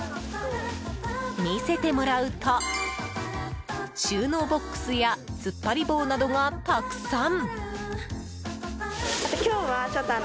見せてもらうと、収納ボックスや突っ張り棒などがたくさん。